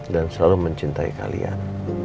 dan selalu mencintai kalian